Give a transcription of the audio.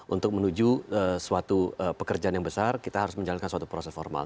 untuk menuju suatu pekerjaan yang besar kita harus menjalankan suatu proses formal